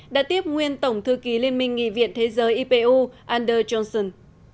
đã tiếp nguyên tổng thư ký liên minh nghị viện thế giới ipu ander johnson